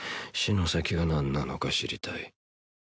死の先は何なのか知りたい